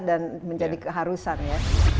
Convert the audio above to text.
dan menjadi keharusan ya